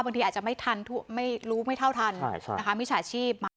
บางทีอาจจะไม่ทันไม่รู้ไม่เท่าทันใช่ใช่นะคะมีฉาชีพ